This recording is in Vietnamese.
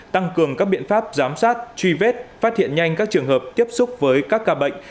tăng cường các biện pháp giám sát truy vết phát hiện nhanh các trường hợp tiếp xúc với các ca bệnh